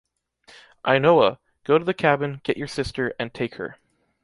Ainhoa, go to the cabin, get your sister, and take her.